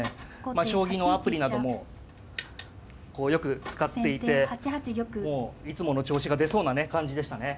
まあ将棋のアプリなどもこうよく使っていてもういつもの調子が出そうなね感じでしたね。